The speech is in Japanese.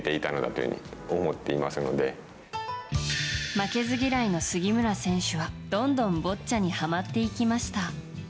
負けず嫌いの杉村選手はどんどんボッチャにはまっていきました。